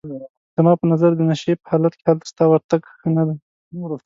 زما په نظر د نشې په حالت کې هلته ستا ورتګ ښه نه دی.